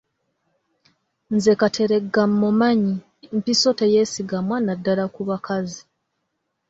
Nze Kateregga mmumanyi mpiso teyeesigamwa naddala ku bakazi.